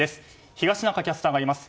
東中キャスターがいます。